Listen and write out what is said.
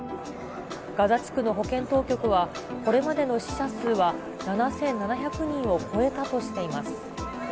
ガザ地区の保健当局は、これまでの死者数は７７００人を超えたとしています。